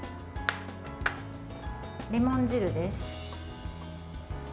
レモン汁です。